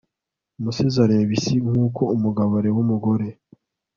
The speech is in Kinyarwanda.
umusizi areba isi nkuko umugabo areba umugore